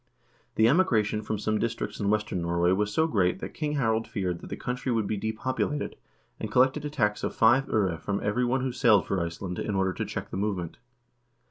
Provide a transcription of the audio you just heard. The emigration from some districts in western Norway was so great that King Harald feared that the country would be depopulated, and collected a tax of five 0re * from every one who sailed for Iceland, in order to check the movement.